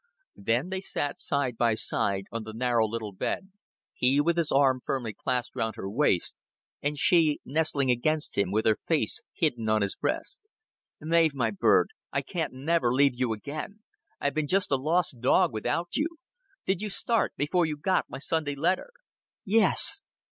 Then they sat side by side on the narrow little bed, he with his arm firmly clasped round her waist, and she nestling against him with her face hidden on his breast. "Mav, my bird, I can't never leave you again. I've bin just a lost dog without you. Did you start before you got my Sunday letter?" "Yes."